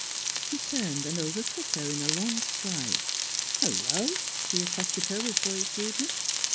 He turned and overtook her in a long stride. " Hello !" he accosted her with boyish rude ness.